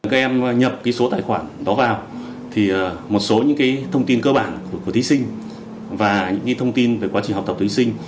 các em nhập số tài khoản đó vào một số những thông tin cơ bản của thí sinh và những thông tin về quá trình học tập thí sinh